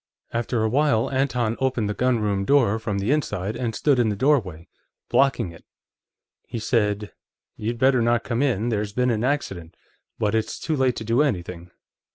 After a while, Anton opened the gunroom door from the inside, and stood in the doorway, blocking it. He said: 'You'd better not come in. There's been an accident, but it's too late to do anything.